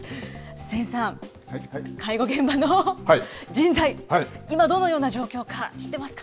千さん、介護現場の人材、今、どのような状況か知ってますか？